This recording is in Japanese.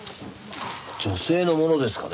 女性のものですかね？